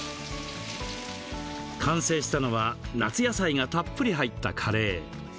完成したのは夏野菜がたっぷり入ったカレー。